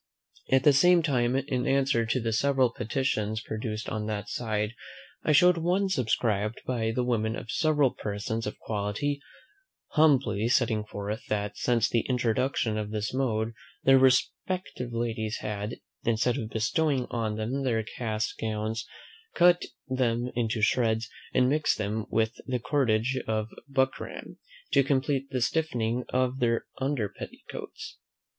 At the same time, in answer to the several petitions produced on that side, I showed one subscribed by the women of several persons of quality, humbly setting forth, "that, since the introduction of this mode, their respective ladies had, instead of bestowing on them their cast gowns, cut them into shreds, and mixed them with the cordage and buckram, to complete the stiffening of their under petticoats."